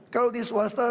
kalau di swasta